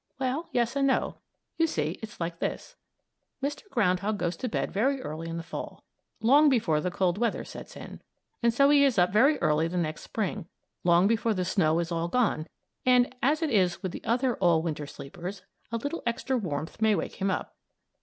Well, yes and no. You see, it's like this: Mr. Ground Hog goes to bed very early in the Fall long before the cold weather sets in and so he is up very early the next Spring; long before the snow is all gone and, as it is with the other all Winter sleepers, a little extra warmth may wake him up.